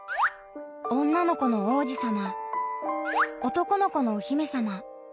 女の子の王子様男の子のお姫様。